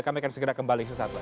kami akan segera kembali sesaat lagi